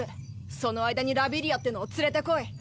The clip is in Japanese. その間にラビリアってのを連れてこい！